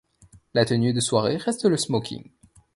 La tenue de soirée reste le smoking.